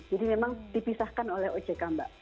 jadi memang dipisahkan oleh ojk mbak